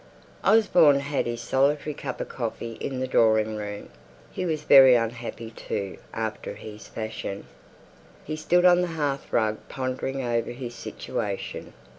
Osborne had his solitary cup of coffee in the drawing room. He was very unhappy too, after his fashion. He stood on the hearth rug pondering over his situation.